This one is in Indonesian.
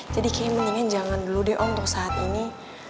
jadi kayaknya mendingan jangan dulu deh om untuk saat ini